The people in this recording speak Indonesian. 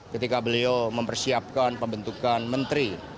ketika beliau mempersiapkan pembentukan menteri